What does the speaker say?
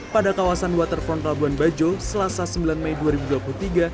pada kawasan waterfront labuan bajo selasa sembilan mei dua ribu dua puluh tiga